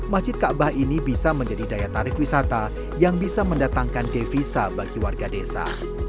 masjid ⁇ kabah ⁇ ini bisa menjadi daya tarik wisata yang bisa mendatangkan devisa bagi warga desa